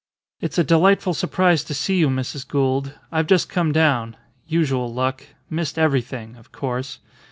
"It's a delightful surprise to see you, Mrs. Gould. I've just come down. Usual luck. Missed everything, of course.